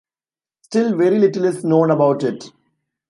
Still very little is known about it.